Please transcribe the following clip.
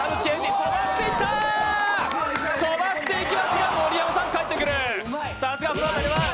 飛ばしていきますが盛山さん帰ってくる。